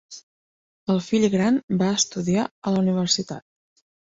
El fill gran va estudiar a la universitat.